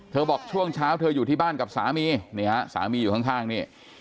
บอกช่วงเช้าเธออยู่ที่บ้านกับสามีนี่ฮะสามีอยู่ข้างนี่